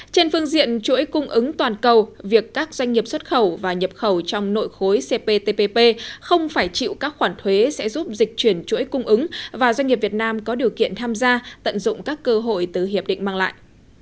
trên phương diện chuỗi cung ứng toàn cầu việc các doanh nghiệp xuất khẩu và nhập khẩu trong nội khối cptpp không phải chịu các khoản thuế sẽ giúp dịch chuyển chuỗi cung ứng và doanh nghiệp việt nam có điều kiện tham gia tận dụng các cơ hội từ hiệp định mang lại